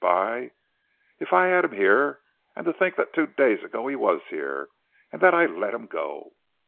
By if I had him here. And to think that two days ago he was here, and that I let him go."